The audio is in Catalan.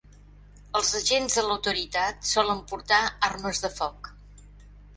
Els agents de l'autoritat solen portar armes de foc.